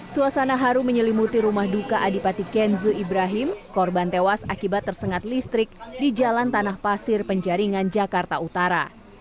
suasana haru menyelimuti rumah duka adipati kenzu ibrahim korban tewas akibat tersengat listrik di jalan tanah pasir penjaringan jakarta utara